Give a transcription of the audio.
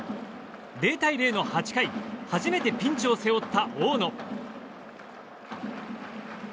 ０対０の８回初めてピンチを背負った大野。